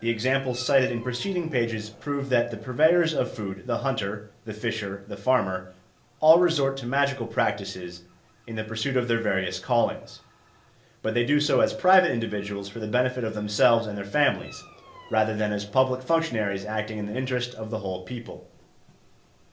The examples cited in preceding pages prove that the purveyors of food the hunter, the fisher, the farmer all resort to magical practices in the pursuit of their various callings; but they do so as private individuals for the benefit of themselves and their families, rather than as public functionaries acting in the interest of the whole people.